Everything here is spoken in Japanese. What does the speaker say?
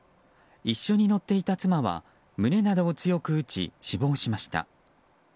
一緒に乗っていた妻は胸などを強く打ち死亡しました。